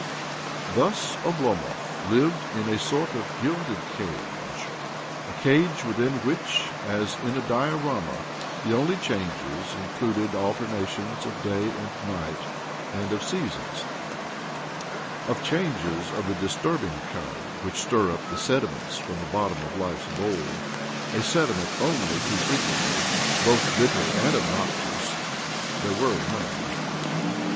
Thus Oblomov lived in a sort of gilde cage— a cage within which, as in a dioram; the only changes included alternation^ оГ da and night and of the seasons. Of change ^f of the disturbing kind which stir up th \ sediment from the bottom of life's bowl i] a^sediment only too frequently both bitte and obnoxious— there were none